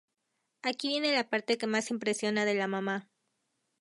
Aquí viene la parte que más impresiona de la mamá.